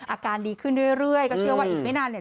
อาการดีขึ้นเรื่อยก็เชื่อว่าอีกไม่นานเนี่ย